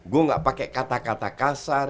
gue gak pakai kata kata kasar